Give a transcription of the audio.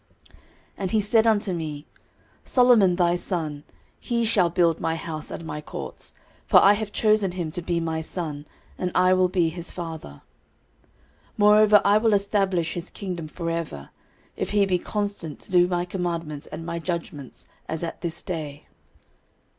13:028:006 And he said unto me, Solomon thy son, he shall build my house and my courts: for I have chosen him to be my son, and I will be his father. 13:028:007 Moreover I will establish his kingdom for ever, if he be constant to do my commandments and my judgments, as at this day.